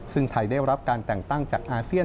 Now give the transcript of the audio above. ซึ่งไทยได้รับการแต่งตั้งจากอาเซียน